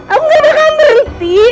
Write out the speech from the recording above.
aku gak mau kamu berhenti